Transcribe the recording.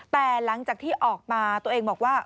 แต่หลังจากที่ออกมาตัวเองบอกว่า